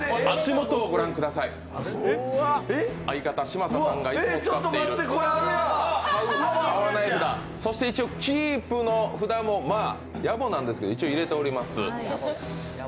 相方、嶋佐さんがいつも使っている買わない札、そして一応、キープの札もやぼなんですけど、入れております。